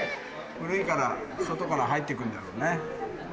古いから、外から入ってくるんだろうね。